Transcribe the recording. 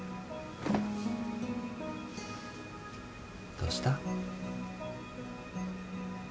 どうした？